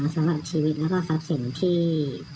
สำหรับชีวิตแล้วก็ทรัพย์สินที่